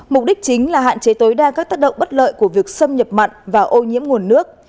mục đích chính là hạn chế tối đa các tác động bất lợi của việc xâm nhập mặn và ô nhiễm nguồn nước